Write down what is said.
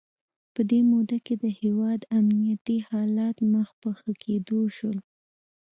په دې موده کې د هیواد امنیتي حالات مخ په ښه کېدو شول.